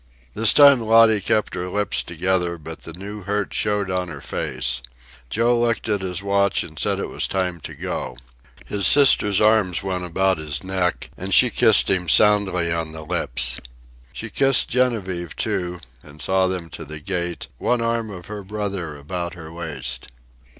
This time Lottie kept her lips together, but the new hurt showed on her face. Joe looked at his watch and said it was time to go. His sister's arms went about his neck, and she kissed him soundly on the lips. She kissed Genevieve, too, and saw them to the gate, one arm of her brother about her waist.